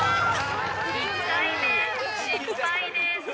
１回目、失敗です。